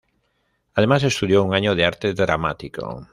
Además, estudió un año de arte dramático.